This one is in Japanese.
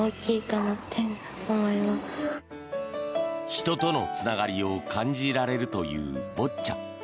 人とのつながりを感じられるというボッチャ。